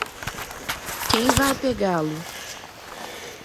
Quem vai pegá-lo?